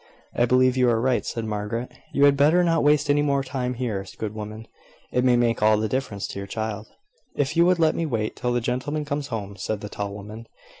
"I believe you are right," said Margaret. "You had better not waste any more time here, good woman. It may make all the difference to your child." "If you would let me wait till the gentleman comes home," said the tall woman.